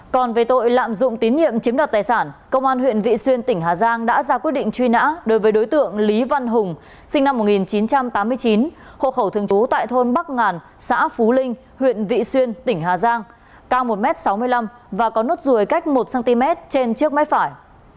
còn về tội lạm dụng tín nhiệm chiếm đoạt tài sản công an huyện vị xuyên tỉnh hà giang đã ra quyết định truy nã đối với đối tượng lý văn hùng sinh năm một nghìn chín trăm tám mươi chín hộ khẩu thường trú tại thôn bắc ngàn xã phú linh huyện vị xuyên tỉnh hà giang cao một m sáu mươi năm và có nốt ruồi cách một cm trên trước mép phải